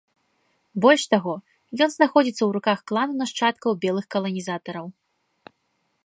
Больш таго, ён знаходзіцца ў руках клану нашчадкаў белых каланізатараў.